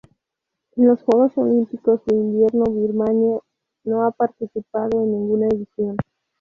En los Juegos Olímpicos de Invierno Birmania no ha participado en ninguna edición.